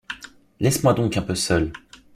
Laisse-moi donc un peu seul!